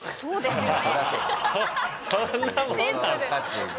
そんなもんなの？